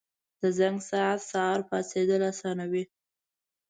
• د زنګ ساعت سهار پاڅېدل اسانوي.